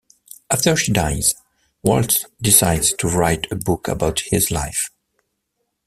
After she dies, Walt decides to write a book about his life.